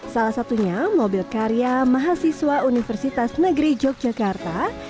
salah satunya mobil karya mahasiswa universitas negeri yogyakarta